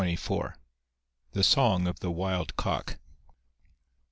I ( 151 ) THE SONG OF THE WILD COCK.